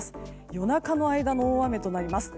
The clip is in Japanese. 夜中の間の大雨となります。